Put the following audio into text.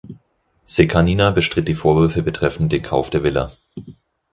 Sekanina bestritt die Vorwürfe betreffend den Kauf der Villa.